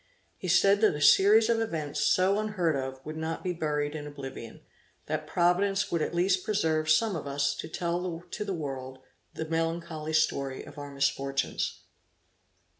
He said, that a series of events so unheard of would not be buried in oblivion; that Providence would at least preserve some of us to tell to the world the melancholy story of our misfortunes.